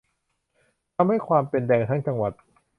ทำให้ความเป็น "แดงทั้งจังหวัด"